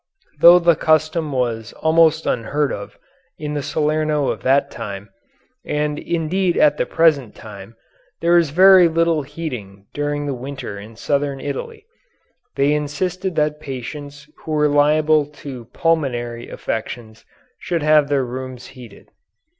Though the custom was almost unheard of in the Salerno of that time, and indeed at the present time there is very little heating during the winter in southern Italy, they insisted that patients who were liable to pulmonary affections should have their rooms heated.